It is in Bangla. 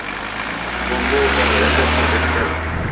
বন্ধ কর এসব পদক্ষেপ।